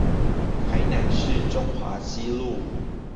臺南市中華西路